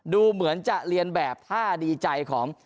ดูเหมือนจะเรียนแบบท่าดีใจของ